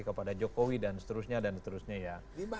kepada jokowi dan seterusnya dan seterusnya ya